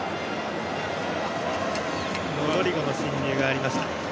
ロドリゴの進入がありました。